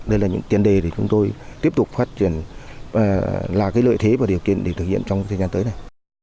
đây là những tiền đề để chúng tôi tiếp tục phát triển là lợi thế và điều kiện để thực hiện trong thời gian tới này